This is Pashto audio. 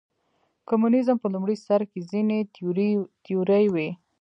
کمونیزم په لومړي سر کې ځینې تیورۍ وې.